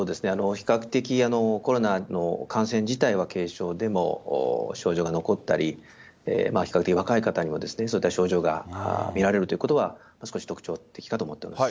比較的、コロナの感染自体は軽症でも、症状が残ったり、比較的若い方にもそういった症状が見られるということは、少し特徴的かと思っています。